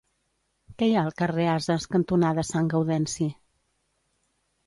Què hi ha al carrer Ases cantonada Sant Gaudenci?